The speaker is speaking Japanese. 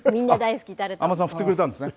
安間さん、振ってくれたんですね。